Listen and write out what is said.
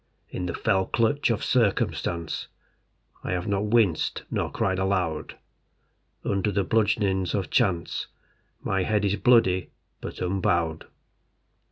In the fell clutch of circumstance I have not winced nor cried aloud. Under the bludgeonings of chance My head is bloody, but unbowed.